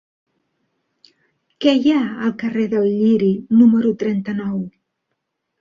Què hi ha al carrer del Lliri número trenta-nou?